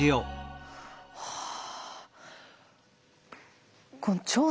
はあ。